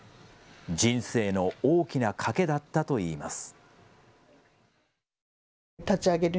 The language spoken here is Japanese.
人生の大きな賭けだったといいます。